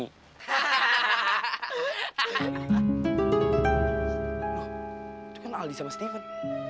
itu kan aldi sama stephen